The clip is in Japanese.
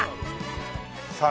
さあ